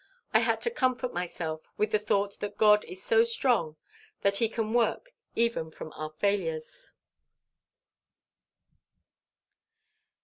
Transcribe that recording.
I had to comfort myself with the thought that God is so strong that he can work even with our failures.